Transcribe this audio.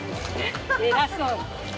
偉そう。